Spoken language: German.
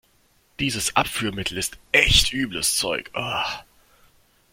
Dieses Abführmittel ist echt übles Zeug.